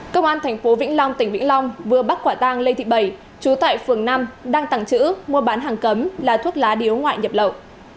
công an thành phố vĩnh long tỉnh vĩnh long vừa bắt quả tang lê thị bày chú tại phường năm đang tăng chữ mua bán hàng cấm là thuốc lá điếu ngoại nhập lậu